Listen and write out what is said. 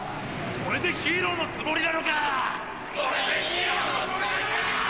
それでヒーローのつもりなのか！